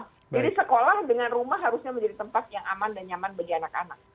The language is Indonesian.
jadi sekolah dengan rumah harusnya menjadi tempat yang aman dan nyaman bagi anak anak